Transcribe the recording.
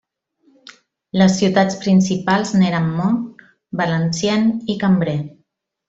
Les ciutats principals n'eren Mons, Valenciennes i Cambrai.